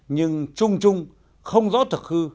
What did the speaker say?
nhưng trung trung không rõ thực hư